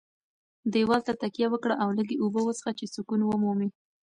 دېوال ته تکیه وکړه او لږې اوبه وڅښه چې سکون ومومې.